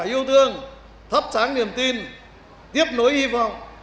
lan tỏa yêu thương thắp sáng niềm tin tiếp nối hy vọng